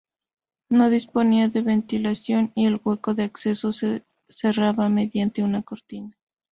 No disponían de ventilación y el hueco de acceso se cerraba mediante una cortina.